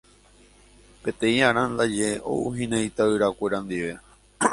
Peteĩ ára ndaje oúhina ita'yrakuéra ndive